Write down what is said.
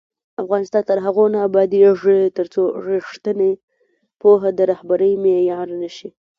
افغانستان تر هغو نه ابادیږي، ترڅو ریښتینې پوهه د رهبرۍ معیار نه شي.